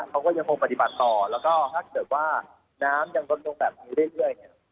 เขาก็ยังคงปฏิบัติต่อแล้วก็ถ้าเกิดว่าน้ำยังลดลงแบบนี้เรื่อยเนี่ย